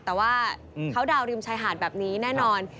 แต่ว่าเขาดาวนริมชายหาดแบบนี้แน่นอน